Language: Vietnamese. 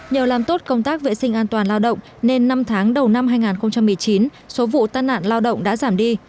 nhờ làm tốt công tác vệ sinh an toàn lao động nên năm tháng đầu năm hai nghìn một mươi chín số vụ tai nạn lao động đã giảm đi